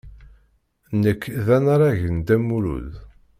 Nekk d anarag n Dda Lmulud.